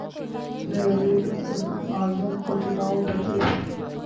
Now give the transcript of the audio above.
نئے وزیر اعظم کا چنائو درپیش ہے۔